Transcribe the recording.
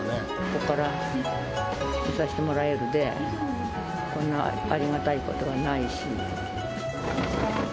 ここから見させてもらえるんで、こんなありがたいことはないし。